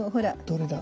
どれだ？